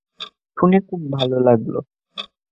শুনে খুব ভালো লাগল।